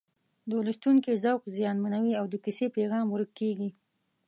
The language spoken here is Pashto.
د لوستونکي ذوق زیانمنوي او د کیسې پیغام ورک کېږي